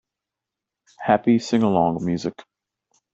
Happy singalong music.